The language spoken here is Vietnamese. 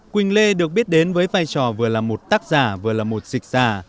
quỳnh lê được biết đến với vai trò vừa là một tác giả vừa là một dịch giả